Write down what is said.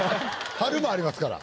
春もありますから。